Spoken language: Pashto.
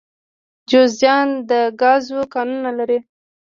جوزجان د ګازو کانونه لري